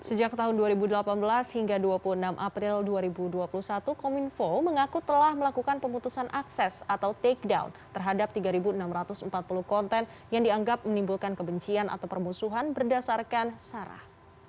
sejak tahun dua ribu delapan belas hingga dua puluh enam april dua ribu dua puluh satu kominfo mengaku telah melakukan pemutusan akses atau take down terhadap tiga enam ratus empat puluh konten yang dianggap menimbulkan kebencian atau permusuhan berdasarkan sarah